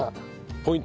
ポイント？